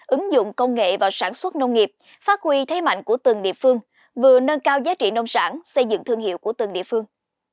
ứng dụng công nghệ vào sản xuất nông nghiệp phát huy thế mạnh của từng địa phương vừa nâng cao giá trị nông sản xây dựng thương hiệu của từng địa phương